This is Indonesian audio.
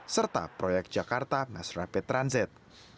serta proyek jakarta mass rapid transit